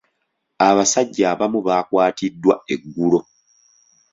Abasajja abamu baakwatiddwa eggulo.